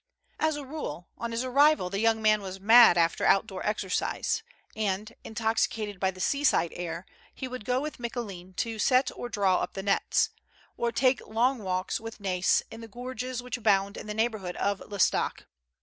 As a rule, on his arrival the young man was mad after outdoor exercise, and, intoxicated by the seaside air, he would go with Micoulin to set or draw up the nets; or take long walks with hTai's in the gorges which abound in the neighborhood of L'Estaque.